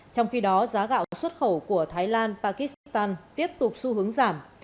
trong khi đó giá gạo xuất khẩu của thái lan pakistan tiếp tục xu hướng giảm